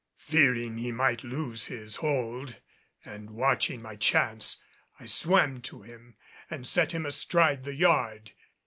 Fearing he might lose his hold, and watching my chance, I swam to him and set him astride the yard.